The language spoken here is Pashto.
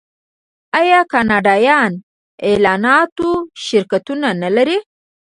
آیا کاناډا د اعلاناتو شرکتونه نلري؟